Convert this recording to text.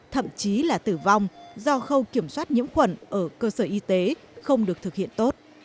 thậm chí là tử vong do khâu kiểm soát nhiễm khuẩn ở cơ sở y tế không được thực hiện tốt